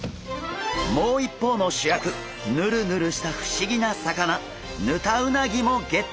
もう一方の主役ヌルヌルした不思議な魚ヌタウナギもゲット！